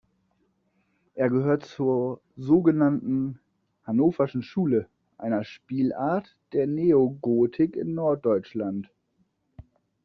Er gehört zur so genannten Hannoverschen Schule, einer Spielart der Neogotik in Norddeutschland.